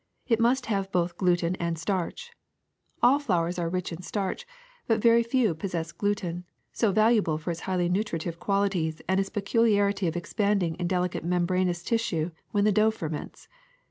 It must have both gluten and starch. All flours are rich in starch, but very few possess gluten, so val uable for its highly nutritive qualities and its pecu liarity of expanding in delicate membranous tissue when the dough ferments.